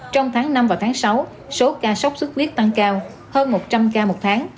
trong tháng năm và tháng sáu số ca sốt xuất huyết tăng cao hơn một trăm linh ca một tháng